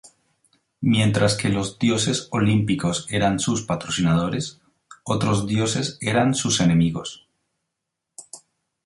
Mientras que los dioses olímpicos eran sus patrocinadores, otros dioses eran sus enemigos.